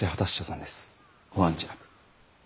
ご案じなく。